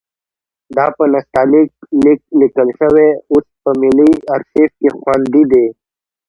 دا په نستعلیق لیک لیکل شوی اوس په ملي ارشیف کې خوندي دی.